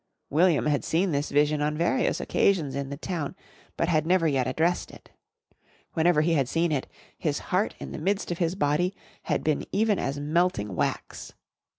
William had seen this vision on various occasions in the town, but had never yet addressed it. Whenever he had seen it, his heart in the midst of his body had been even as melting wax.